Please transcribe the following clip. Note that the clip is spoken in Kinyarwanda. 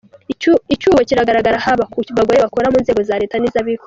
Icyuho kiragaragara haba ku bagore bakora mu nzego za leta n’iz’abikorera.